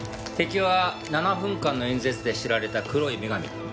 敵は７分間の演説で知られた黒い女神。